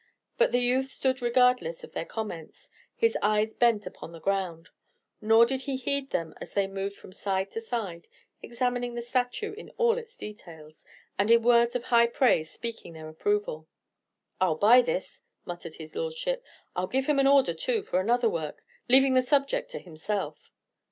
But the youth stood regardless of their comments, his eyes bent upon the ground; nor did he heed them as they moved from side to side, examining the statue in all its details, and in words of high praise speaking their approval. "I'll buy this," muttered his Lordship. "I'll give him an order, too, for another work, leaving the subject to himself."